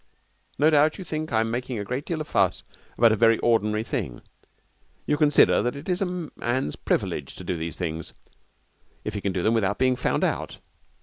No doubt you think I am making a great deal of fuss about a very ordinary thing. You consider that it is a man's privilege to do these things, if he can do them without being found out.